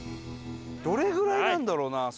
どれぐらいなんだろうな？